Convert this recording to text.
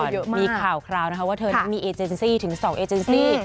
มีข่าวคราวนะคะว่าเธอนั้นมีเอเจนซี่ถึง๒เอเจนซี่